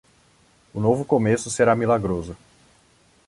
O novo começo será milagroso.